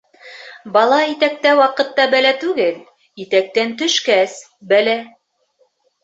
Бала итәктә ваҡытта бәлә түгел, итәктән төшкәс, бәлә.